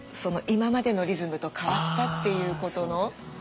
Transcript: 今までのリズムと変わったっていうことの。